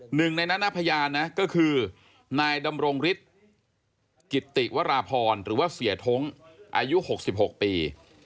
หนึ่งในนั้นนะพยานนะก็คือนายดำรงฤทธิ์กิติวราพรหรือว่าเสียท้งอายุ๖๖ปี